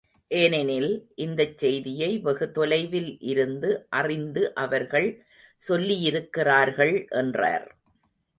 ஏனெனில், இந்தச் செய்தியை வெகு தொலைவில் இருந்து அறிந்து அவர்கள் சொல்லியிருக்கிறார்கள் என்றார்.